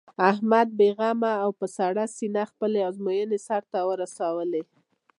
احمد بې غمه او په سړه سینه خپلې ازموینې سر ته ورسولې.